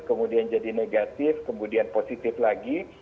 kemudian jadi negatif kemudian positif lagi